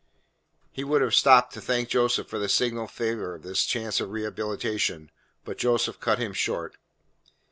He would have stopped to thank Joseph for the signal favour of this chance of rehabilitation, but Joseph cut him short.